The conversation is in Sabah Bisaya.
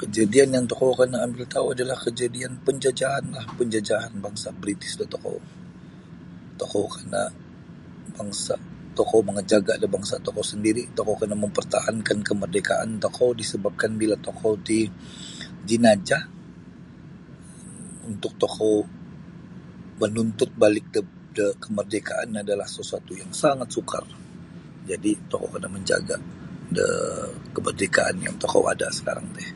Kejadian yang tokou kena ambil tau adalah kejadian penjajahanlah penjajahan bangsa British da tokou. Tokou kena bangsa tokou mamajaga da bangsa tokou sendiri tokou kena mempertahankan kemeredekaan disebabkan bila tokou ti jinajah untuk tokou menuntut balik da kemerdekaan adalah sesuatu yang sangat sukar jadi tokou kena menjaga da kemerdekaan yang tokou ada sekarang ti.